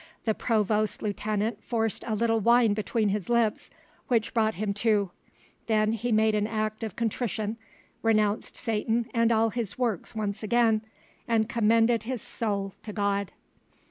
The provost's lieutenant forced a little wine between his lips, which brought him to; then he made an act of contrition, renounced Satan and all his works once again, and commended his soul to God.